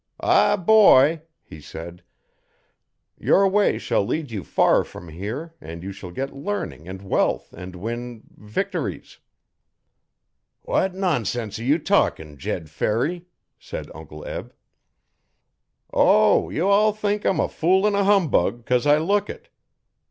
'Ah, boy!' he said, 'your way shall lead you far from here, and you shall get learning and wealth and win victories.' 'What nonsense are you talking, Jed Ferry?' said Uncle Eb. 'O, you all think I'm a fool an' a humbug, 'cos I look it.